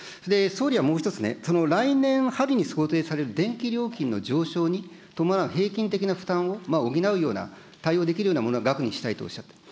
総理はもう一つね、その来年春に想定される電気料金の上昇に伴う平均的な負担を補うような、対応できるような額にしたいとおっしゃっている。